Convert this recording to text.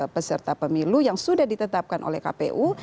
peserta pemilu yang sudah ditetapkan oleh kpu